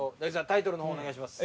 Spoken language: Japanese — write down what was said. タイトルの方お願いします。